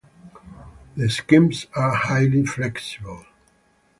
The schemes are highly flexible.